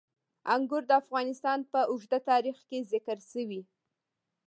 انګور د افغانستان په اوږده تاریخ کې ذکر شوي.